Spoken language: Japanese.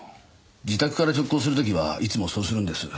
自宅から直行する時はいつもそうするんです。